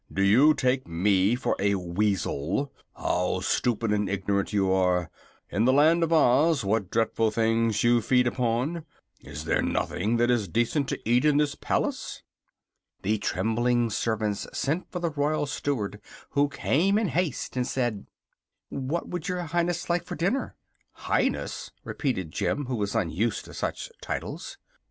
"Do you take me for a weasel? How stupid and ignorant you are, in the Land of Oz, and what dreadful things you feed upon! Is there nothing that is decent to eat in this palace?" The trembling servants sent for the Royal Steward, who came in haste and said: "What would your Highness like for dinner?" "Highness!" repeated Jim, who was unused to such titles.